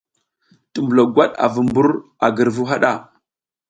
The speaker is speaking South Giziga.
Tumbulo gwat a vu mbur a girvu haɗa.